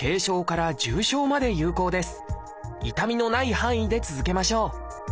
痛みのない範囲で続けましょう。